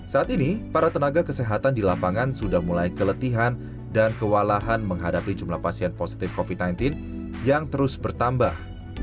saat ini para tenaga kesehatan di lapangan sudah mulai keletihan dan kewalahan menghadapi jumlah pasien positif covid sembilan belas yang terus bertambah